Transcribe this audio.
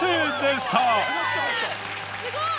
すごい！